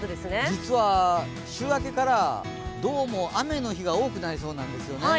実は週明けからどうも雨の日が多くなりそうなんですね。